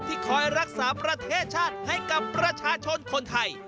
คอยรักษาประเทศชาติให้กับประชาชนคนไทย